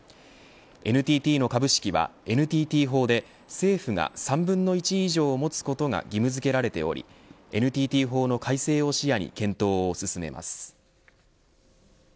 ＮＴＴの株式は、ＮＴＴ法で政府が３分の１以上を持つことが義務付けられておりＮＴＴ法の改正を視野に検討を進めます。